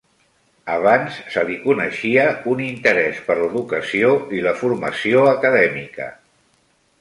Abans, se li coneixia un interès per l'educació i la formació acadèmica.